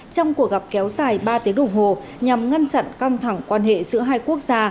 trong cuộc gặp kéo dài ba tiếng đồng hồ nhằm ngăn chặn căng thẳng quan hệ giữa hai quốc gia